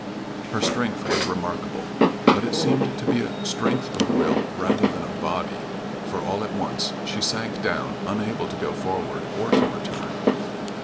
Her strength was remarkable, but it seemed to be strength of will rather than of body, for all at once she sank down, unable to go forward or to return.